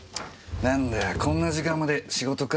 何だよこんな時間まで仕事か？